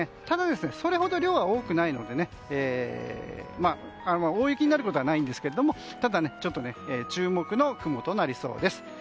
ただ、それほど量は多くないので大雪になることはないんですけれど注目の雲となりそうです。